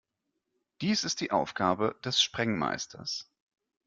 Dies ist die Aufgabe des Sprengmeisters.